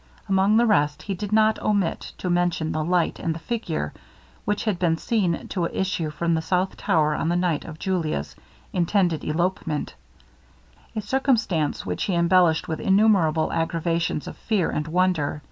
Among the rest, he did not omit to mention the light and the figure which had been seen to issue from the south tower on the night of Julia's intended elopement; a circumstance which he embellished with innumerable aggravations of fear and wonder.